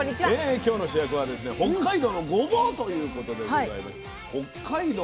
今日の主役は北海道のごぼうということでございまして北海道